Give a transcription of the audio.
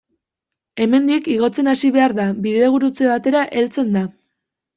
Hemendik, igotzen hasi behar da, bidegurutze batetara heltzen da.